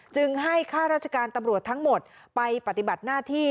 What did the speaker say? จึงให้ข้าราชการตำรวจทั้งหมดไปปฏิบัติหน้าที่